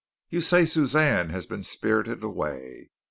You say Suzanne has been spirited away.